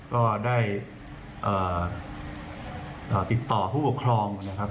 ก็ได้ติดต่อผู้ปกครองนะครับ